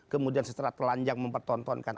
kemudian setelah pelanjang mempertontonkan